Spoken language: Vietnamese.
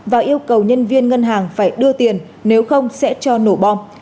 và yêu cầu nhân viên ngân hàng phải đưa tiền nếu không sẽ cho nổ bom